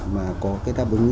mà có cái đáp ứng